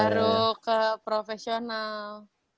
terus baru ke profesional